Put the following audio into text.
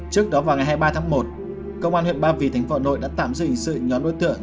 trước đó vào ngày hai mươi ba tháng một công an huyện ba vì thánh vọ nội đã tạm dự hình sự nhóm đối tượng